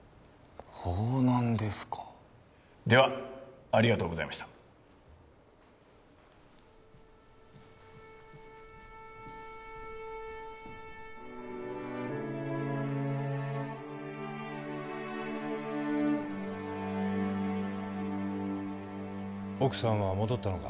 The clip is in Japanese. ほうなんですかではありがとうございました奥さんは戻ったのか？